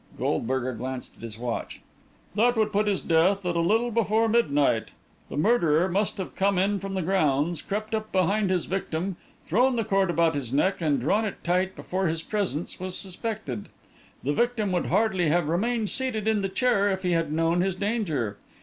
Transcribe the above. Goldberger glanced at his watch. "That would put his death at a little before midnight. The murderer must have come in from the grounds, crept up behind his victim, thrown the cord about his neck and drawn it tight before his presence was suspected. The victim would hardly have remained seated in the chair if he had known his danger.